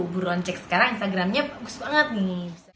buruan cek sekarang instagramnya bagus banget nih